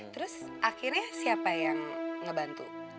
terus akhirnya siapa yang ngebantu